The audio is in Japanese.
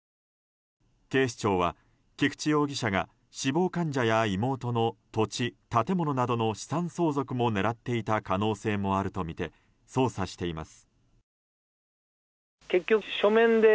警視庁は、菊池容疑者が死亡患者や妹の土地、建物などの資産相続も狙っていた可能性もあるとみて捜査しています。